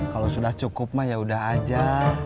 kalau sudah cukup mah ya udah aja